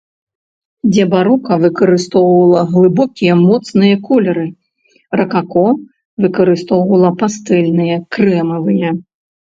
Дзе барока выкарыстоўвала глыбокія, моцныя колеры, ракако выкарыстоўвала пастэльныя, крэмавыя.